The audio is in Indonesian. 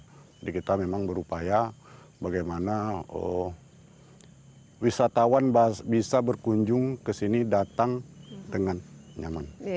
jadi kita memang berupaya bagaimana wisatawan bisa berkunjung ke sini datang dengan nyaman